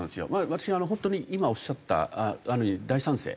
私は本当に今おっしゃった案に大賛成。